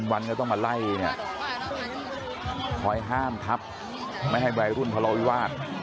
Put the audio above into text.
วันก็ต้องมาไล่เนี่ยคอยห้ามทับไม่ให้วัยรุ่นทะเลาวิวาส